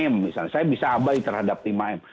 misalnya saya bisa abai terhadap lima m